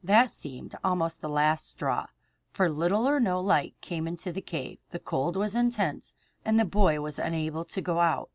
That seemed almost the last straw, for little or no light came into the cave, the cold was intense, and the boy was unable to go out.